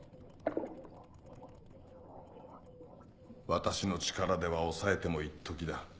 私の力では抑えてもいっときだ。